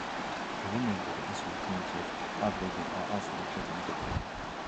The remains of the historic community of Hadleyville are also located in the town.